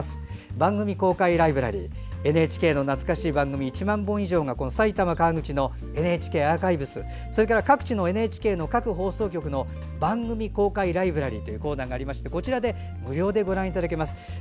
番組公開ライブラリーＮＨＫの懐かしい番組１万本以上が埼玉・川口のＮＨＫアーカイブス、それから各地のＮＨＫ放送局の番組公開ライブラリーというコーナーがありまして、こちらで無料でご覧いただけます。